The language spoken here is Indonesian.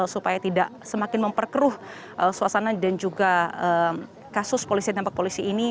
supaya tidak semakin memperkeruh suasana dan juga kasus polisi dampak polisi ini